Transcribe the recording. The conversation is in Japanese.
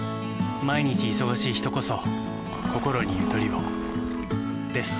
毎日忙しい人こそこころにゆとりをです。